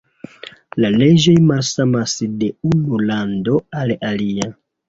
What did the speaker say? La leĝoj malsamas de unu lando al alia.